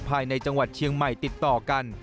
ภายในจังหวัดเชียงใหม่ติดต่อกัน